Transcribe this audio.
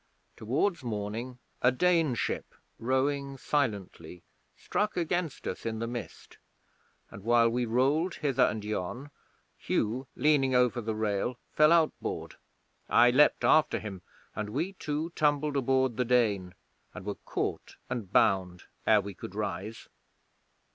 Towards morning a Dane ship, rowing silently, struck against us in the mist, and while we rolled hither and yon Hugh, leaning over the rail, fell outboard. I leaped after him, and we two tumbled aboard the Dane, and were caught and bound ere we could rise.